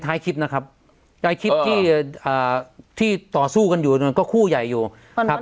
ท้ายคลิปนะครับท้ายคลิปที่ต่อสู้กันอยู่มันก็คู่ใหญ่อยู่ครับ